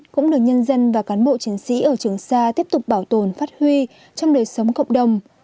cũng được nhân dân và cán bộ chiến sĩ ở trường sa tiếp tục bảo tồn phát huy trong đời sống cộng đồng